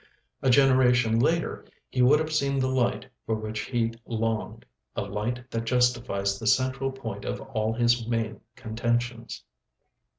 A generation later he would have seen the light for which he longed a light that justifies the central point of all his main contentions.